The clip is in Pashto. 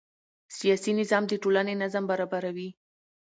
سیاسي نظام د ټولنې نظم برابروي